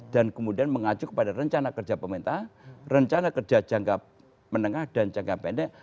dan kemudian mengajuk pada rencana kerja pemerintah rencana kerja jangka menengah dan jangka pendek